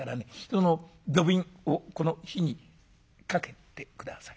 その土瓶をこの火にかけて下さい。